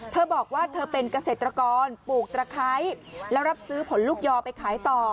เธอบอกว่าเธอเป็นเกษตรกรปลูกตะไคร้แล้วรับซื้อผลลูกยอไปขายต่อ